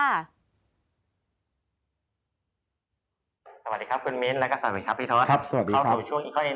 สวัสดีครับคุณมิ้นและก็สวัสดีครับพี่ทศ